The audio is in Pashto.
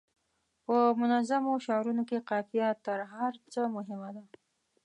په منظومو شعرونو کې قافیه تر هر څه مهمه ده.